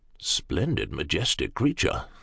Splendid, majestic creature !